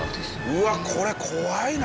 うわっこれ怖いな！